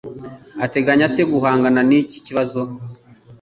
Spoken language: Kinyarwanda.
ateganya ate guhangana niki kibazo